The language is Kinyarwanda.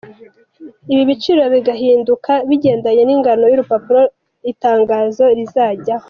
Ibi biciro bigahinduka bigendanye n’ingano y’urupapuro itangazo rizajyaho.